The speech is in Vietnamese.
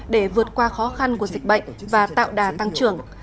để vượt qua khó khăn của dịch bệnh và tạo đà tăng trưởng